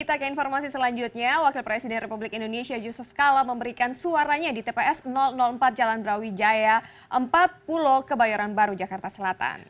kita ke informasi selanjutnya wakil presiden republik indonesia yusuf kala memberikan suaranya di tps empat jalan brawijaya empat puluh kebayoran baru jakarta selatan